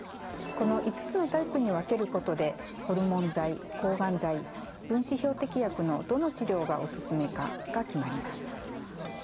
この５つのタイプに分けることでホルモン剤抗がん剤分子標的薬のどの治療がお勧めかが決まります。